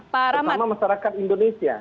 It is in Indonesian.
pertama masyarakat indonesia